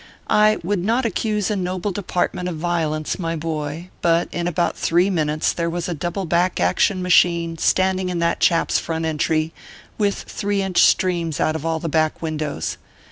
I would not accuse a noble Department of violence, my boy, but in about three minutes there was a double back action machine standing in that chap s front entry, with three inch streams out of all the back windows.